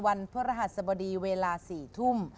พระรหัสบดีเวลา๔ทุ่ม